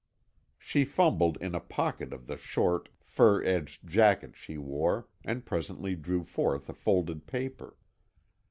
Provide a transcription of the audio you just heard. She fumbled in a pocket of the short, fur edged jacket she wore, and presently drew forth a folded paper.